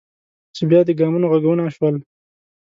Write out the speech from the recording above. چې بیا د ګامونو غږونه شول.